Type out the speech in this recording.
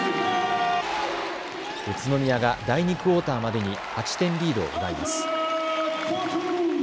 宇都宮が第２クオーターまでに８点リードを奪います。